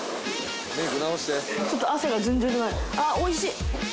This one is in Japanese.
あっおいしい。